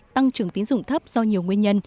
tăng trưởng tiến dụng thấp do nhiều nguyên nhân